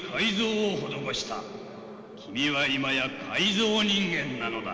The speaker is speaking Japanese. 君は今や改造人間なのだ。